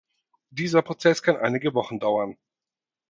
Dieser Prozess kann einige Wochen dauern.